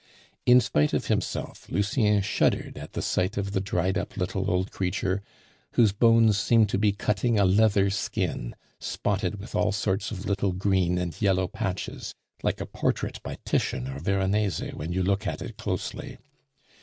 In spite of himself, Lucien shuddered at the sight of the dried up little old creature, whose bones seemed to be cutting a leather skin, spotted with all sorts of little green and yellow patches, like a portrait by Titian or Veronese when you look at it closely.